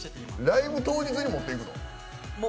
ライブ当日に持っていくの？